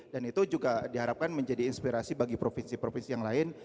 dan itu juga diharapkan menjadi inspirasi bagi provinsi provinsi yang lain